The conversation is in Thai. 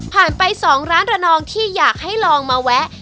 ไป๒ร้านระนองที่อยากให้ลองมาแวะ